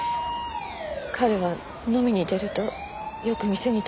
彼は飲みに出るとよく店に泊まるんです。